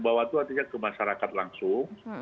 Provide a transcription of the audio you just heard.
bahwa itu artinya ke masyarakat langsung